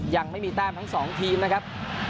ยังไม่มีแต้มทั้ง๒ทีมนะครับ